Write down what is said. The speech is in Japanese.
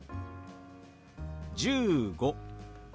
１５。